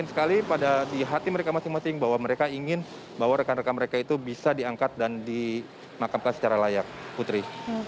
sekali pada di hati mereka masing masing bahwa mereka ingin bahwa rekan rekan mereka itu bisa diangkat dan dimakamkan secara layak putri